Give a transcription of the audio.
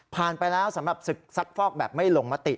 ไปแล้วสำหรับศึกซักฟอกแบบไม่ลงมติ